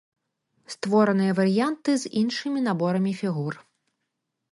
Створаныя варыянты з іншымі наборамі фігур.